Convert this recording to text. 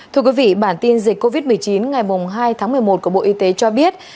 thưa quý vị bản tin dịch covid một mươi chín ngày hai tháng một mươi một của bộ y tế cho biết